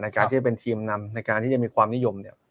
การที่จะเป็นทีมนำในการที่จะมีความนิยมเนี่ย